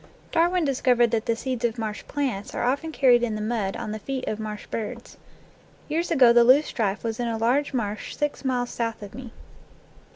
Darwin discovered that the seeds of marsh plants are often carried in the mud on the feet of marsh birds. Years ago the loosestrife was in a large marsh six miles south of me.